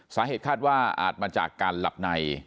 สาเหตุคาดว่าอาจมาจากการหลับใน